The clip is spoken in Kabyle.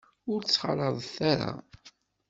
Ur t-ttxalaḍet ara.